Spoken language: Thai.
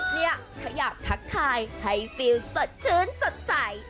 เนี่ยเขาอยากทักทายให้ฟิลสดชื้นสดใส